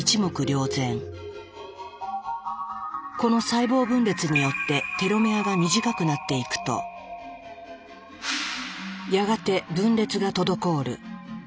この細胞分裂によってテロメアが短くなっていくとやがて分裂が滞る。